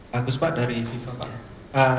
bagus pak dari fifa pak